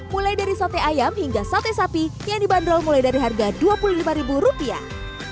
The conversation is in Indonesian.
mulai dari sate ayam hingga sate sapi yang dibanderol mulai dari harga dua puluh lima ribu rupiah